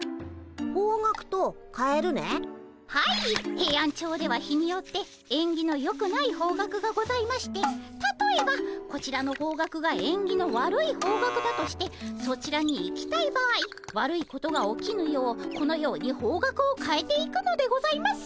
ヘイアンチョウでは日によってえんぎのよくない方角がございましてたとえばこちらの方角がえんぎの悪い方角だとしてそちらに行きたい場合悪いことが起きぬようこのように方角を変えて行くのでございます。